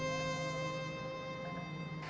dan kemudian mereka juga bisa menikah